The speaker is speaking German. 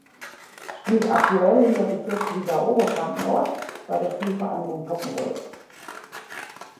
Spielt aktuell in der Bezirksliga Oberfranken Ost bei der Spielvereinigung Poppenreuth.